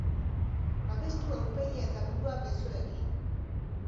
Babestu aurpegia eta burua besoekin.